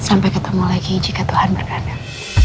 sampai ketemu lagi jika tuhan berkadang